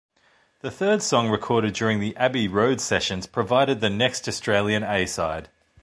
The third song recorded during the Abbey Road sessions provided the next Australian A-side.